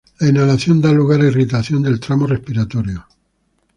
La inhalación da lugar a irritación del tramo respiratorio.